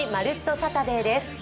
サタデー」です。